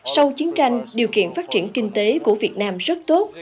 sau chiến tranh điều kiện phát triển kinh tế của việt nam rất tốt